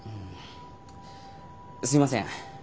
すいません。